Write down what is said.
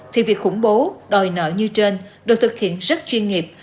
thì việc khủng bố đòi nợ như trên được thực hiện rất chuyên nghiệp